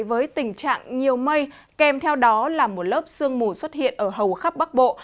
với tình trạng nhiều mây kèm theo đó là một lớp sương mù xuất hiện ở hầu khắp bắc bộ